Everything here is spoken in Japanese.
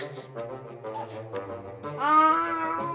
あ。